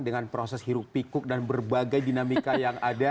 dengan proses hirup pikuk dan berbagai dinamika yang ada